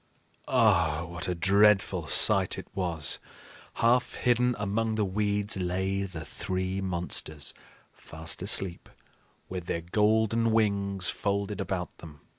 Ah, what a dreadful sight it was! Half hidden among the weeds lay the three monsters, fast asleep, with their golden wings folded about them.